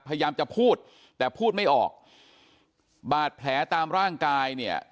พยายามจะพูดแต่พูดไม่ออกบาดแผลตามร่างกายเนี่ย